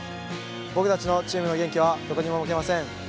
僕たちのチームの元気はどこにも負けません。